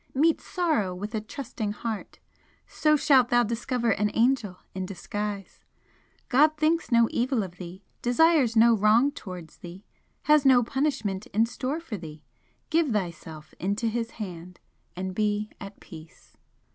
Meet Sorrow with a trusting heart so shalt thou discover an angel in disguise! God thinks no evil of thee desires no wrong towards thee has no punishment in store for thee give Thyself into His Hand, and be at peace!"